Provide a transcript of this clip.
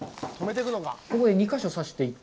ここで２か所刺していって。